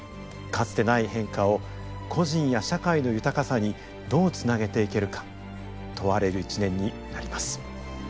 かつてない変化を個人や社会の豊かさにどうつなげていけるか問われる１年になります。